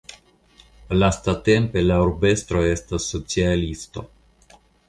Lastatempe la urbestro estas socialisto.